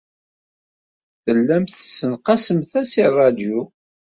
Tellamt tessenqasemt-as i ṛṛadyu.